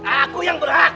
aku yang berak